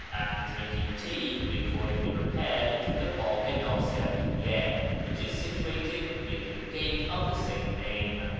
After drinking tea we accordingly repaired to the Bagh i Nasiriyye, which is situated near to the gate of the same name.